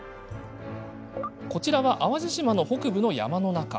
こちらは、淡路島北部の山の中。